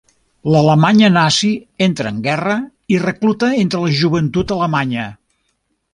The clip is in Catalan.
L'Alemanya nazi entra en guerra i recluta entre la joventut alemanya.